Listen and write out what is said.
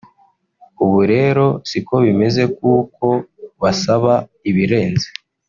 ubu rero si ko bimeze kuko basaba ibirenze